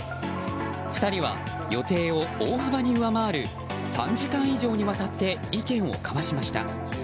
２人は、予定を大幅に上回る３時間以上にわたって意見を交わしました。